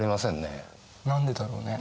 何でだろうね。ね！